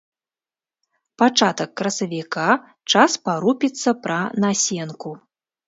Пачатак красавіка, час парупіцца пра насенку.